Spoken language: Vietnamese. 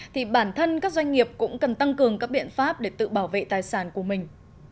thì bản thân các doanh nghiệp cũng cần tăng cường các biện pháp để tự bảo vệ tài sản của mình